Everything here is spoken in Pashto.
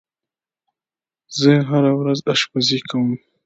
زه هره ورځ آشپزی کوم.